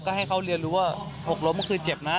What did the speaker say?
ก็ให้เขาเรียนรู้ว่าหกล้มก็คือเจ็บนะ